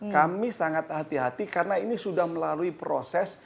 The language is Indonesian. kami sangat hati hati karena ini sudah melalui proses